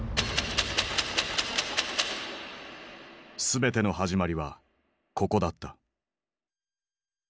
全ての始まりはここだった。